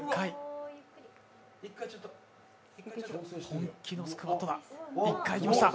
本気のスクワットだ、１回いきました。